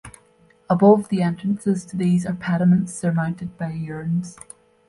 Above the entrances to these are pediments surmounted by urns.